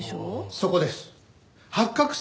そこです。